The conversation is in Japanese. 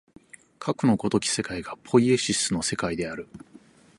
かくの如き世界がポイエシスの世界である。